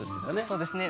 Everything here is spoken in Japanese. そうですね。